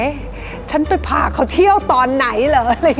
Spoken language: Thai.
เอ๊ะฉันไปผ่าเขาเที่ยวตอนไหนเหรอ